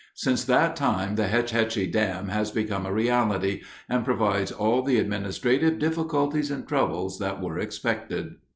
Since that time the Hetch Hetchy dam has become a reality and provides all the administrative difficulties and troubles that were expected.